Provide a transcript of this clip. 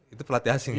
itu pelatih asing ya